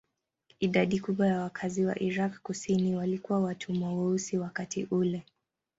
Idadi kubwa ya wakazi wa Irak kusini walikuwa watumwa weusi wakati ule.